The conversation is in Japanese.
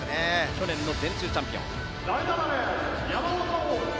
去年の全中チャンピオン。